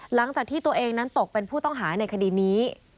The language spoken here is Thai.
หลังจากที่ตัวเองนั้นตกเป็นผู้ต้องหาในคดีนี้